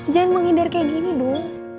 jangan menghindar kayak gini dong